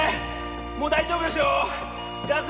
もう大丈夫ですよ